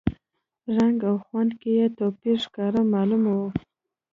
رنګ او خوند کې یې توپیر ښکاره معلوم و.